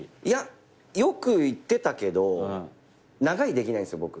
いやよく行ってたけど長居できないんすよ